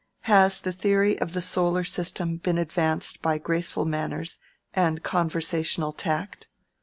Has the theory of the solar system been advanced by graceful manners and conversational tact?